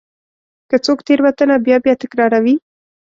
که څوک تېروتنه بیا بیا تکراروي.